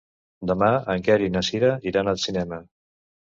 Demà en Quer i na Cira iran al cinema.